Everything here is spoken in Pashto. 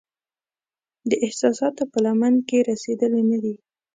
د احساساتو په لمن کې رسیدلې نه دی